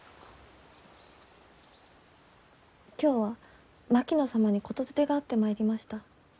今日は槙野様に言伝があって参りました。